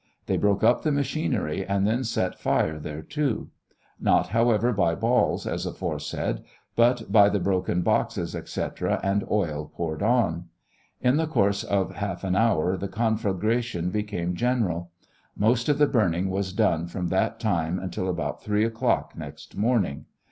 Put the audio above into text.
They broke up the machinery and then set fire thereto; not, however, by balls as .aforesaid, but by the broken boxes, etc., and oil poured on. In the course of a half of an hour the conflagration became general. Most of the burning was done from that time until about 3 o'clock next morning.